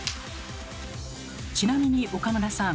ちなみに岡村さん